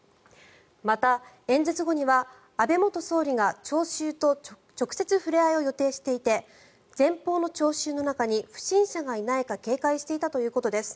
また、演説後には安倍元総理が聴衆と直接触れ合いを予定していて前方の聴衆の中に不審者がいないか警戒していたということです。